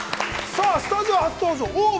さあ、スタジオ、初登場、ＯＷＶ。